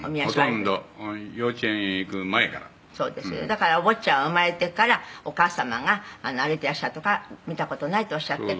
だからお坊ちゃんは生まれてからお母様が歩いていらっしゃるとこは見た事ないとおっしゃって」